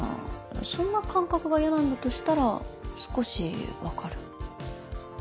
そんな感覚が嫌なんだとしたら少し分かる。